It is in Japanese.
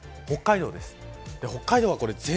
北海道です。